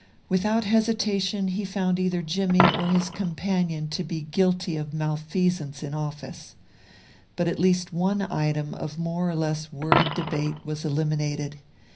Without hesitation he found either Jimmie or his companion to be guilty of malfeasance in office. But at least one item of more or less worried debate was eliminated.